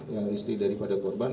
yang istri daripada korban